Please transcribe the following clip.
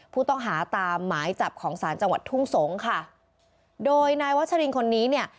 ผู้ต้องหาตามหมายจับของศาลจังหวัดทุ่งสงศ์ค่ะโดยนายวัชรินคนนี้เนี่ย